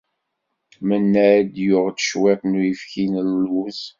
Mennad yuɣ-d cwiṭ n uyefki n lluz.